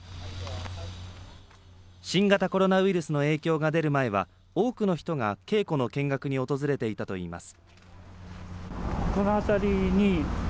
新型コロナウイルスの影響が出る前は、多くの人が稽古の見学に訪れていたといいます。